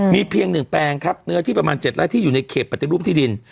มีเพียง๑แปลงครับเนื้อที่ประมาณ๗ไร่ที่อยู่ในเขตปฏิรูปที่ดิน